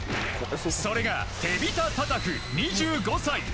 それがテビタ・タタフ、２５歳。